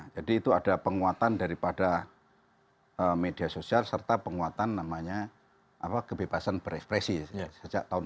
jadi itu ada penguatan daripada media sosial serta penguatan namanya kebebasan berepresi sejak tahun seribu sembilan ratus sembilan puluh delapan